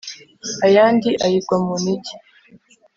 ayandi ayigwa mu ntege